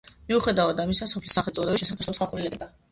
მიუხედავად ამისა, სოფლის სახელწოდების შესახებ არსებობს ხალხური ლეგენდა.